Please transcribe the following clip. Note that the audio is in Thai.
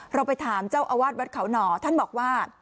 เราไปถามเจ้าอาวาสวัดเขาหน่อท่านบอกว่า